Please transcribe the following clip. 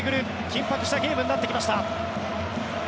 緊迫したゲームになってきました。